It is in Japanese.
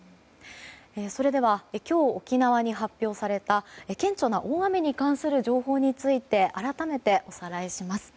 それでは今日、沖縄に発表された顕著な大雨に関する情報について改めておさらいします。